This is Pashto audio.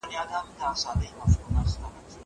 زه هره ورځ سينه سپين کوم.